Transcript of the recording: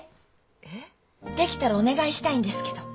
できたらお願いしたいんですけど。